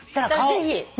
ぜひ。